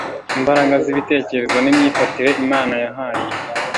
imbaraga zibitekerezo nimyifatire Imana yahaye